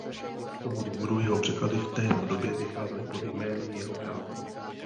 Z toho důvodu jeho překlady v této době vycházely pod jmény jeho přátel.